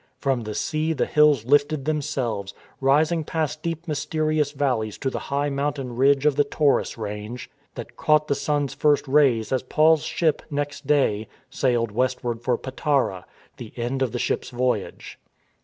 From the sea the hills lifted them selves, rising past deep mysterious valleys to the high mountain ridge of the Taurus range, that caught the sun's first rays as Paul's ship, next day, sailed west ward for Patara, the end of the ship's voyage.